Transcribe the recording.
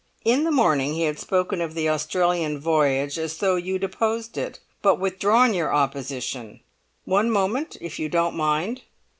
In the morning he had spoken of the Australian voyage as though you'd opposed it, but withdrawn your opposition—one moment, if you don't mind!